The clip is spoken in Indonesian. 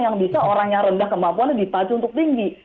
yang bisa orang yang rendah kemampuannya dipacu untuk tinggi